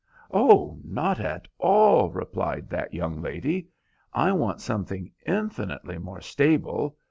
"Oh, not at all," replied that young lady; "I want something infinitely more stable.